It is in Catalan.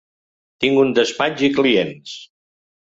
Tinc un despatx i clients.